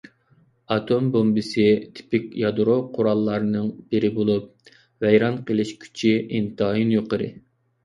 ئاتوم بومبىسى تىپىك يادرو قوراللارنىڭ بىرى بولۇپ، ۋەيران قىلىش كۈچى ئىنتايىن يۇقىرى.